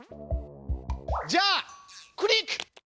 じゃあクリック！